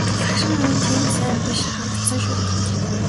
Лагшин нь тийм ч сайн биш харагдсан шүү.